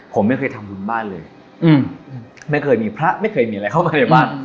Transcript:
ผมไม่เคยทำหุ้นบ้านเลยไม่เคยมีพระไม่เคยมีอะไรเข้ามาในบ้าน